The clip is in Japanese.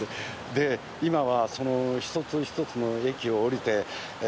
で今はその一つ一つの駅を降りてえ